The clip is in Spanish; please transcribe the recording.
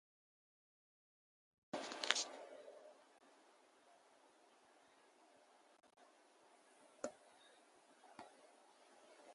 Este fue víctima de la Segunda guerra civil sudanesa.